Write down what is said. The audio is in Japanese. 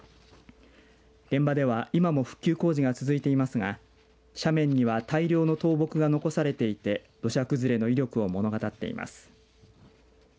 現場では今も復旧工事が続いていますが斜面には大量の倒木が残されていて土砂崩れの威力を物語っています。